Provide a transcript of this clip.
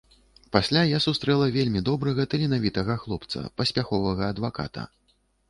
Пасля я сустрэла вельмі добрага таленавітага хлопца, паспяховага адваката.